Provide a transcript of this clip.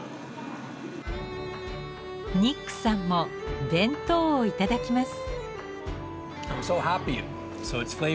ニックさんも弁当をいただきます。